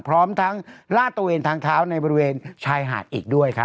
พร้อมทั้งลาดตระเวนทางเท้าในบริเวณชายหาดอีกด้วยครับ